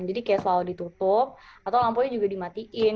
jadi kayak selalu ditutup atau lampunya juga dimatiin